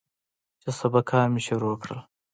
چې سبقان مې شروع کړل.